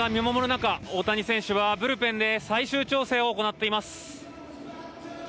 中大谷選手はブルペンで最終調整を行っています。